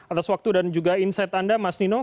atas waktu dan juga insight anda mas nino